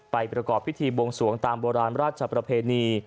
ประกอบพิธีบวงสวงตามโบราณราชประเพณี